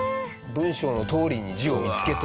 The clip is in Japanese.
文章のとおりに字を見つけて。